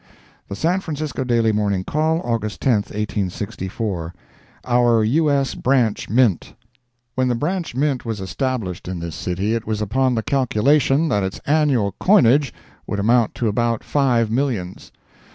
The San Francisco Daily Morning Call, August 10, 1864 OUR U.S. BRANCH MINT When the Branch Mint was established in this city, it was upon the calculation that its annual coinage would amount to about five millions.